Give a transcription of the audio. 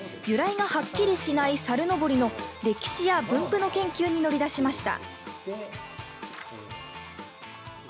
由来がはっきりしない猿のぼりの歴史や分布の研究に乗り出しました。